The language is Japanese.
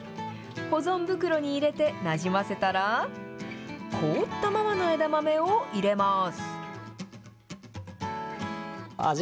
保存袋に入れてなじませたら、凍ったままの枝豆を入れます。